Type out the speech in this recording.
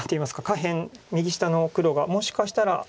下辺右下の黒がもしかしたら心配に。